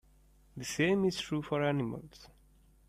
The same is true for animals.